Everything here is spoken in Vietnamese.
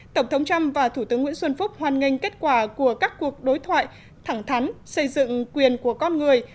tổng thống trump và thủ tướng nguyễn xuân phúc hoan nghênh kết quả của các cuộc đối thoại thẳng thắn xây dựng quyền của con người